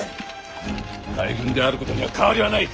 大軍であることには変わりはない。